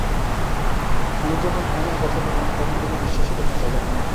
আমি যখন আইনের কথা বললাম, তখন তিনি বিশ্বাসই করতে চাইলেন না।